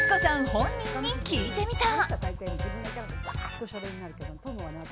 本人に聞いてみた。